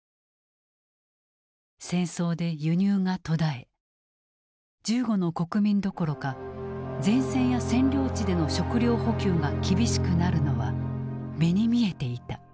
戦争で輸入が途絶え銃後の国民どころか前線や占領地での食糧補給が厳しくなるのは目に見えていた。